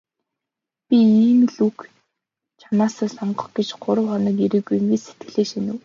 "Би ийм л үг чамаасаа сонсох гэж гурав хоног ирээгүй юм" гэж сэтгэлдээ шивнэв.